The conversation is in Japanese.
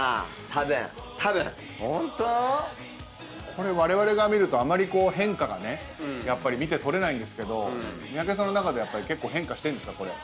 これわれわれが見るとあまり変化が見て取れないんですけど三宅さんの中では結構変化してんですか？